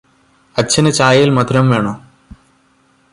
അച്ഛന് ചായയിൽ മധുരം വേണോ?